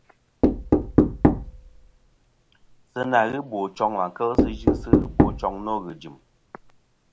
Sɨ nà ghɨ bòchoŋ và kel sɨ yɨsɨ ghɨbochoŋ nô ghɨ̀jɨ̀m.